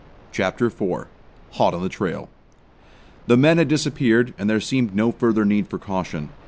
CHAPTER IV HOT ON THE TRAIL The men had disappeared, and there seemed no further need for caution.